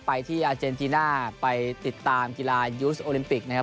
ไปที่อาเจนติน่าไปติดตามกีฬายูสโอลิมปิกนะครับ